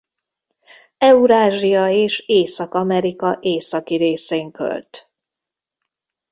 Eurázsia és Észak-Amerika északi részén költ.